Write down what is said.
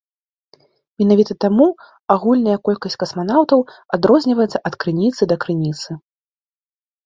Менавіта таму агульная колькасць касманаўтаў адрозніваецца ад крыніцы да крыніцы.